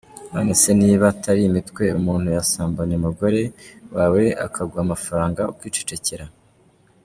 None se niba atari imitwe umuntu yasambanya umugore wawe akaguha amafaranga ukicecekera?”.